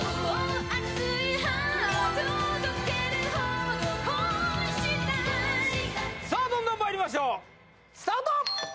熱いハートとけるほど恋したいさあどんどんまいりましょうスタート！